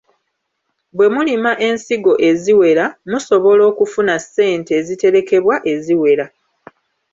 Bwe mulima ensigo eziwera, musobola okufuna ssente eziterekebwa eziwera.